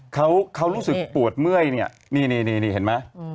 เขารู้สึกปวดเมื่อยเนี่ยนี่เห็นไหม